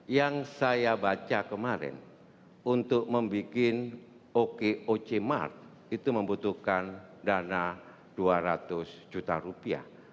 yang saya baca kemarin untuk membuat okoc mart itu membutuhkan dana dua ratus juta rupiah